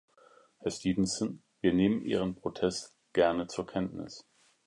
Herr Stevenson, wir nehmen Ihren Protest gerne zur Kenntnis.